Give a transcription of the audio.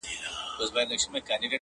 • که مُلایان دي که یې چړیان دي..